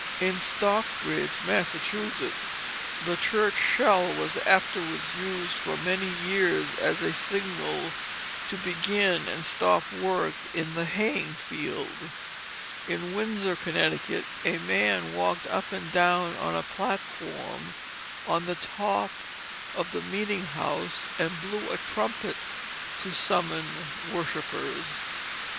In Stockbridge, Massachusetts, the church shell was afterwards used for many years as a signal to begin and stop work in the haying field. In Windsor, Connecticut, a man walked up and down on a platform on the top of the meeting house and blew a trumpet to summon worshippers.